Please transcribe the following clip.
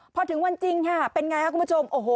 พอถึงวันจริงค่ะเป็นไงครับคุณผู้ชมโอ้โห